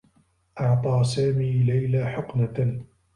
أعطى سامي ليلى حقنة.